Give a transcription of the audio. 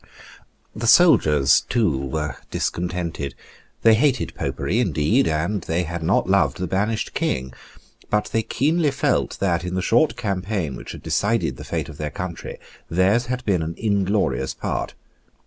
The soldiers, too, were discontented. They hated Popery indeed; and they had not loved the banished King. But they keenly felt that, in the short campaign which had decided the fate of their country, theirs had been an inglorious part.